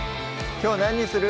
きょう何にする？